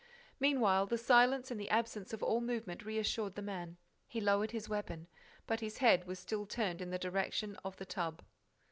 Meanwhile, the silence and the absence of all movement reassured the man. He lowered his weapon. But his head was still turned in the direction of the tub.